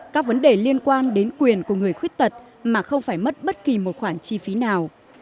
các vấn đề liên quan đến quyền của người khuyết tật mà không phải mất bất kỳ một khoản chi phí nào